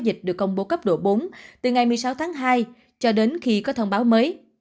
dịch được công bố cấp độ bốn từ ngày một mươi sáu tháng hai cho đến khi có thông báo mới